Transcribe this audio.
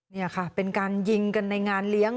นี่ค่ะเป็นการยิงกันในงานเลี้ยง